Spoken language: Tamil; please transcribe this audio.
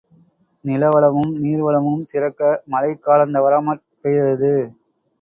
நிலவளமும் நீர்வளமும் சிறக்க, மழை காலந்தவறாமற் பெய்தது.